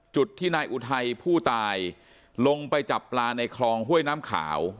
จุดที่นายอุทัยผู้ตายลงไปจับปลาในคลองห้วยน้ำขาว